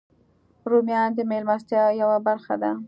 رومیان د میلمستیا یوه برخه ده